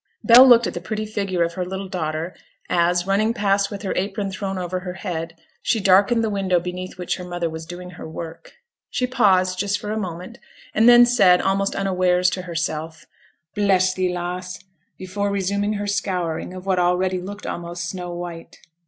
Bell looked at the pretty figure of her little daughter, as, running past with her apron thrown over her head, she darkened the window beneath which her mother was doing her work. She paused just for a moment, and then said, almost unawares to herself, 'Bless thee, lass,' before resuming her scouring of what already looked almost snow white.